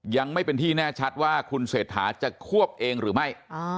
ยังไม่เป็นที่แน่ชัดว่าคุณเศรษฐาจะควบเองหรือไม่